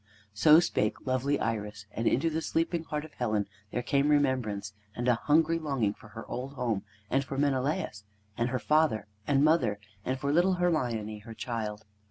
So spake lovely Iris, and into the sleeping heart of Helen there came remembrance, and a hungry longing for her old home, and for Menelaus, and her father and mother, and for little Hermione, her child.